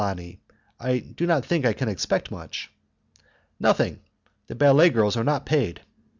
Lani? I do not think I can expect much." "Nothing. The ballet girls are not paid."